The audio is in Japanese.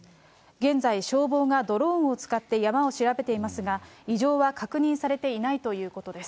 現在、消防がドローンを使って山を調べていますが、異常は確認されていないということです。